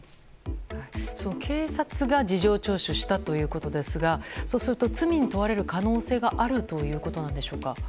警察が事情聴取したということですが罪に問われる可能性があるということでしょうか。